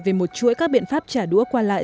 về một chuỗi các biện pháp trả đũa qua lại